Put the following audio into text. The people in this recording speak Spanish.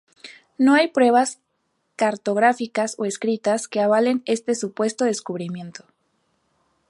No hay pruebas cartográficas o escritas que avalen este supuesto descubrimiento.